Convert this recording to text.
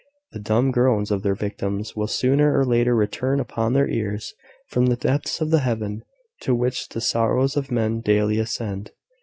The dumb groans of their victims will sooner or later return upon their ears from the depths of the heaven, to which the sorrows of men daily ascend.